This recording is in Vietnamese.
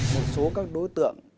một số các đối tượng